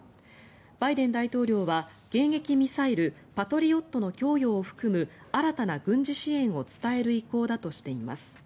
バイデン大統領は迎撃ミサイル、パトリオットの供与を含む新たな軍事支援を伝える意向だとしています。